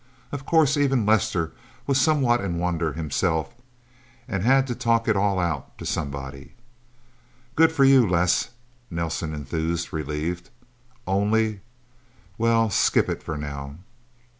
Of course even Lester was somewhat in wonder, himself, and had to talk it all out to somebody. "Good for you, Les," Nelsen enthused, relieved. "Only well, skip it, for now."